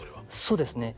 そうですね。